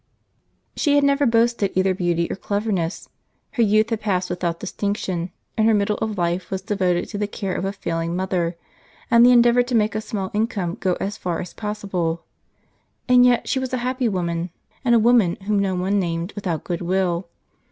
She had never boasted either beauty or cleverness. Her youth had passed without distinction, and her middle of life was devoted to the care of a failing mother, and the endeavour to make a small income go as far as possible. And yet she was a happy woman, and a woman whom no one named without good will.